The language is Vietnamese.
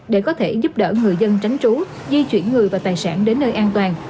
để có thể giúp đỡ người dân tránh trú di chuyển người và tài sản đến nơi an toàn